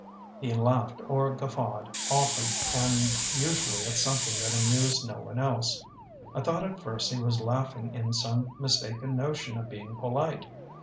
He laughed or guffawed often and usually at something that amused no one else. I thought at first he was laughing in some mistaken notion of being polite.